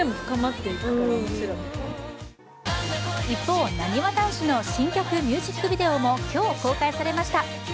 一方、なにわ男子の新曲ミュージックビデオも今日、公開されました。